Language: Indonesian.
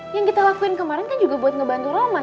yang kita lakuin kemarin kan juga buat ngebantu roman